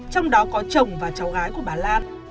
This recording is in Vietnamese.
trong đó có chồng và cháu gái của bà lan